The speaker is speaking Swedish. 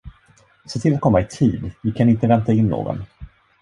Se till att komma i tid, vi kan inte vänta in någon!